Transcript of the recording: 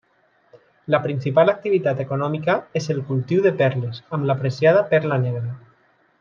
La principal activitat econòmica és el cultiu de perles, amb l'apreciada perla negra.